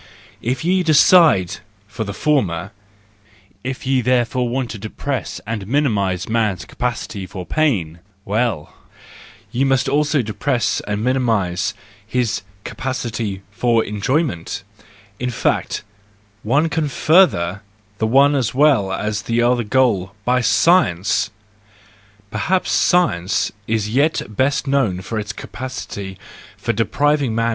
If ye decide for the former, if ye therefore want to depress and minimise man's capacity for pain, well, ye must also depress and minimise his capacity for enjoy¬ ment In fact, one can further the one as well as the other goal by science ! Perhaps science is as yet best known by its capacity for depriving man